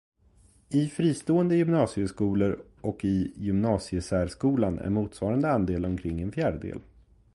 I fristående gymnasieskolor och i gymnasiesärskolan är motsvarande andel omkring en fjärdedel.